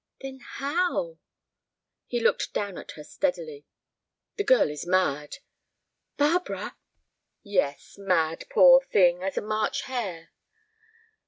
"Then how?" He looked down at her steadily. "The girl is mad." "Barbara!" "Yes, mad, poor thing, as a March hare.